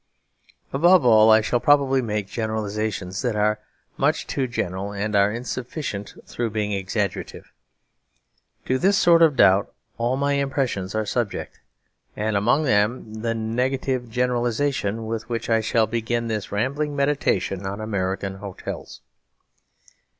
Above all, I shall probably make generalisations that are much too general; and are insufficient through being exaggerative. To this sort of doubt all my impressions are subject; and among them the negative generalisation with which I shall begin this rambling meditation on American hotels.